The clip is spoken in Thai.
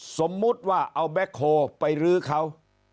สมมุติว่าเอาแบ็คโฮลไปรื้อเขา